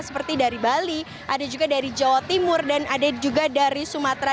seperti dari bali ada juga dari jawa timur dan ada juga dari sumatera